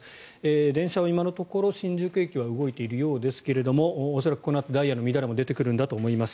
電車は、今のところ新宿駅は動いているようですが恐らくこのあとダイヤの乱れも出てくるんだと思います。